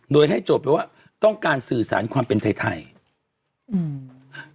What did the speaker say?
โดยให้โจทย์ไปว่าต้องการสื่อสารความเป็นไทยไทยอืม